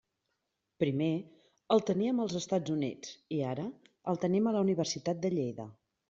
Primer el teníem als Estats Units, i ara el tenim a la Universitat de Lleida.